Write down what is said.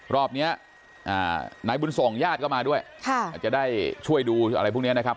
รอบเนี้ยอ่าไหนบุญส่องญาติเข้ามาด้วยค่ะจะได้ช่วยดูอะไรพวกเนี้ยนะครับ